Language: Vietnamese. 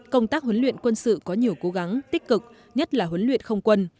công tác huấn luyện quân sự có nhiều cố gắng tích cực nhất là huấn luyện không quân